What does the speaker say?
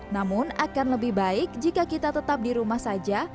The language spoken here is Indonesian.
namun akan lebih baik jika kita tetap di rumah saja